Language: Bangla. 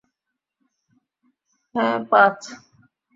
হা, পাঁচ।